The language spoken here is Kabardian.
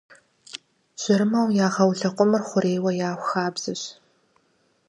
Жьэрымэу ягъэу лэкъумыр хъурейуэ яху хабзэщ.